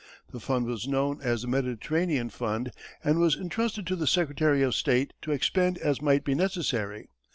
The fund was known as the "Mediterranean Fund," and was intrusted to the secretary of state to expend as might be necessary.